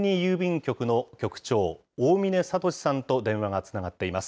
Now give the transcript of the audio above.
郵便局の局長、大嶺智さんと電話がつながっています。